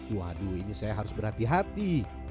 wah gue ini saya berhati hati